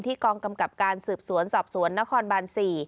กองกำกับการสืบสวนสอบสวนนครบาน๔